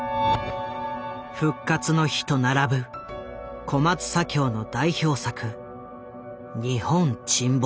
「復活の日」と並ぶ小松左京の代表作「日本沈没」。